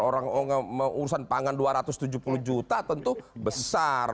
orang urusan pangan dua ratus tujuh puluh juta tentu besar